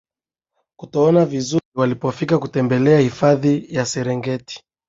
kutoona vizuri wanapofika kutembelea hifadi ya Serengeti